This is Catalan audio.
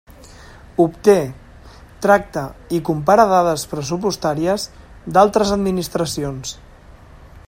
Obté, tracta i compara dades pressupostàries d'altres administracions.